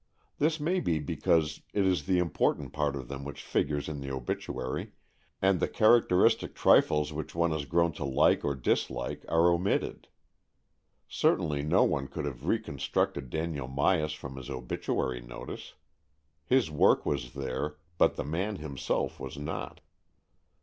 This may be because it is the important part of them which figures in the obituary, and the characteristic trifles which AN EXCHANGE OF SOULS 139 one has grown to like or dislike are omitted. Certainly no one could have reconstructed Daniel Myas from his obituary notice. His work was there, but the man himself was not.